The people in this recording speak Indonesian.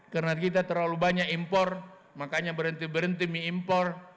karena kita terlalu banyak impor makanya berhenti berhenti mi impor